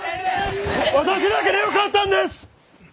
私だけでよかったんです！